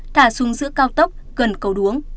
thả xuống giữa cao tốc gần cầu đuống